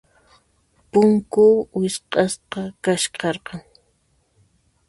Punku wisq'asqa kasharqan.